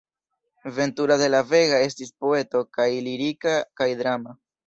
Ventura de la Vega estis poeto kaj lirika kaj drama.